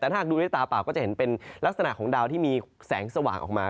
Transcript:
แต่ถ้าหากดูด้วยตาเปล่าก็จะเห็นเป็นลักษณะของดาวที่มีแสงสว่างออกมา